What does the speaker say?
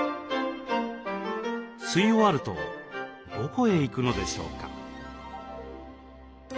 吸い終わるとどこへ行くのでしょうか？